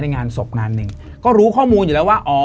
งานศพงานหนึ่งก็รู้ข้อมูลอยู่แล้วว่าอ๋อ